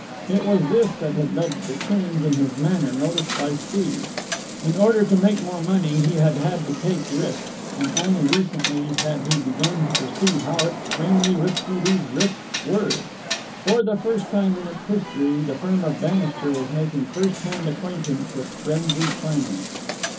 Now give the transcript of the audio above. It was this that had led to the change in his manner noticed by Steve. In order to make more money he had had to take risks, and only recently had he begun to perceive how extremely risky these risks were. For the first time in its history the firm of Bannister was making first hand acquaintance with frenzied finance.